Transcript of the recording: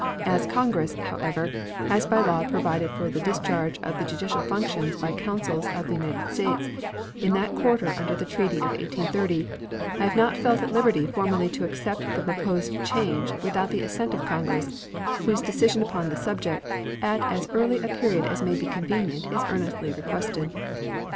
As Congress, however, has by law provided for the discharge of judicial functions by consuls of the United States in that quarter under the treaty of 1830, I have not felt at liberty formally to accept the proposed change without the assent of Congress, whose decision upon the subject at as early a period as may be convenient is earnestly requested.